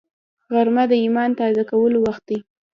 غرمه د ایمان تازه کولو وخت دی